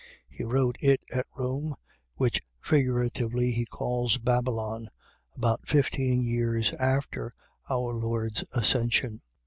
He wrote it at Rome, which figuratively he calls Babylon, about fifteen years after our Lord's Ascension.